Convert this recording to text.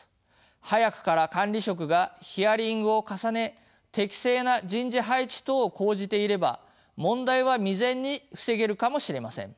早くから管理職がヒアリングを重ね適正な人事配置等を講じていれば問題は未然に防げるかもしれません。